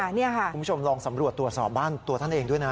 คุณผู้ชมลองสำรวจตรวจสอบบ้านตัวท่านเองด้วยนะ